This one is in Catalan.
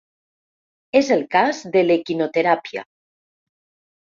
És el cas de l’equinoteràpia.